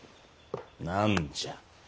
何じゃ？